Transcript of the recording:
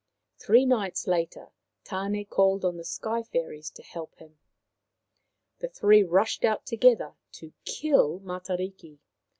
Three nights later Tan6 called on the Sky fairies to help him. The three rushed out together to kill Matariki.